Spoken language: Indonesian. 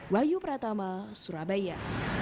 wahyu pratama surabaya